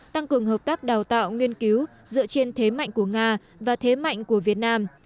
tăng cường hợp tác đào tạo nghiên cứu dựa trên thế mạnh của nga và thế mạnh của việt nam